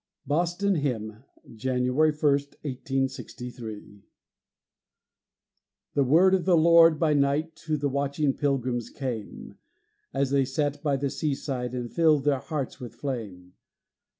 BOSTON HYMN [January 1, 1863] The word of the Lord by night To the watching Pilgrims came, As they sat by the seaside, And filled their hearts with flame.